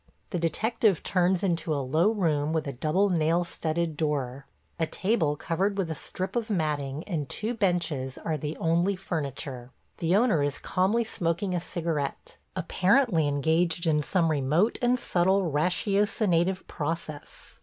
The detective turns into a low room with a double nail studded door. A table covered with a strip of matting and two benches are the only furniture. The owner is calmly smoking a cigarette, apparently engaged in some remote and subtle ratiocinative process.